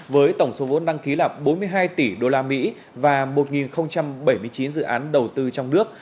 với tổng số vốn đăng ký là bốn mươi hai tỷ usd và một bảy mươi chín dự án đầu tư trong nước